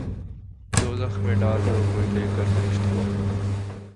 دوزخ میں ڈال دو‘ کوئی لے کر بہشت کو